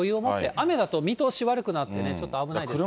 雨だと見通し悪くなって、ちょっと危ないですからね。